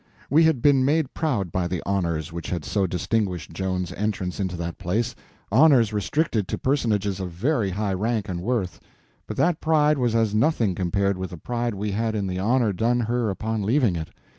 We had been made proud by the honors which had so distinguished Joan's entrance into that place—honors restricted to personages of very high rank and worth—but that pride was as nothing compared with the pride we had in the honor done her upon leaving it.